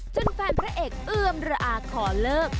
จนแฟนพระเอกเอือมระอาขอเลิก